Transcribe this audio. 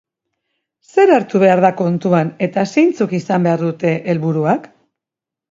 Zer hartu behar da kontuan eta zeintzuk izan behar dute helburuak?